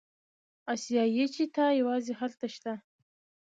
اسیایي چیتا یوازې هلته شته.